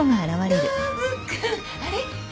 あれ？